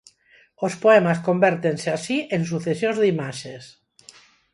Os poemas convértense, así, en sucesións de imaxes.